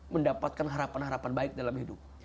mendapatkan harapan harapan baik dalam hidup